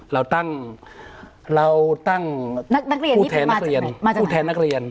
เราตั้งเราตั้งนักเรียนนี้มาจากไหนมาจากไหนผู้แทนนักเรียน